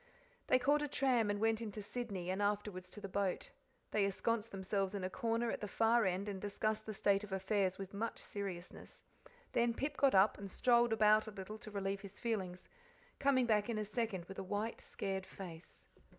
They caught a tram and went into Sydney, and afterwards to the boat. They ensconced themselves in a corner at the far end, and discussed the state of affairs with much seriousness. Then Pip got up and, strolled about a little to relieve his feelings, coming back in a second with a white, scared face.